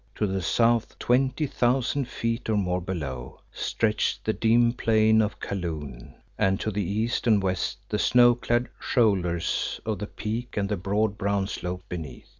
To the south, twenty thousand feet or more below, stretched the dim Plain of Kaloon, and to the east and west the snow clad shoulders of the peak and the broad brown slopes beneath.